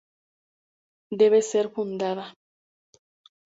Debe ser fundada.